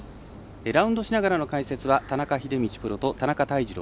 ラウンドしながらの解説は田中秀道プロと田中泰二郎